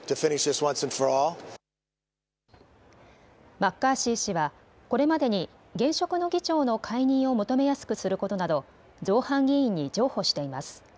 マッカーシー氏はこれまでに現職の議長の解任を求めやすくすることなど造反議員に譲歩しています。